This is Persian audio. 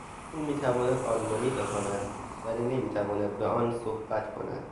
او میتواند آلمانی بخواند ولی نمیتواند به آن صحبت کند.